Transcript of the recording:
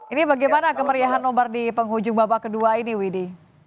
ini bagaimana kemeriahan nobar di penghujung babak kedua ini widhi